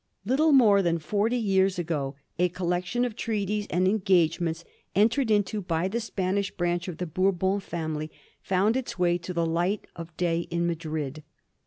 Little more than forty years ago a collection of treaties and engagements entered into by the Spanish branch of the Bourbon family found its way to the light of day in Madrid.